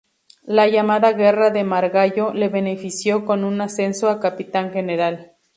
La llamada guerra de Margallo le benefició con un ascenso a capitán general.